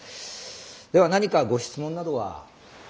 では何かご質問などは。